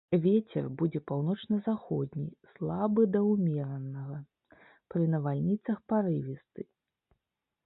Вецер будзе паўночна-заходні, слабы да ўмеранага, пры навальніцах парывісты.